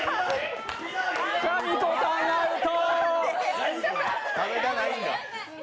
かみこさんアウト！